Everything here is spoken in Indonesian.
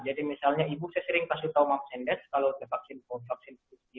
jadi misalnya ibu saya sering kasih tahu mam sendes kalau saya vaksin covid sembilan belas sendiri